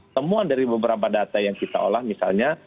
temuan dari beberapa data yang kita olah misalnya